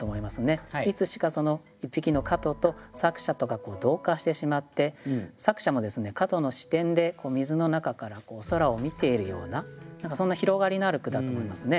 いつしかその一匹の蝌蚪と作者とが同化してしまって作者もですね蝌蚪の視点で水の中から空を見ているような何かそんな広がりのある句だと思いますね。